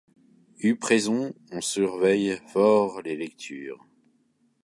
Eu prison on surveille fort les lectures.